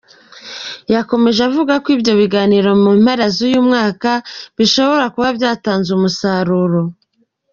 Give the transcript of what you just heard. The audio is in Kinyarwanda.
Yakomeje avuga ko ibyo biganiro mu mpera z’uyu mwaka bishobora kuba byatanze umusaruro.